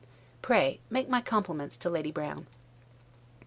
Pray make my compliments to Lady Brown.